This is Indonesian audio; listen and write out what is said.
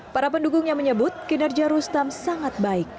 para pendukungnya menyebut kinerja rustam sangat baik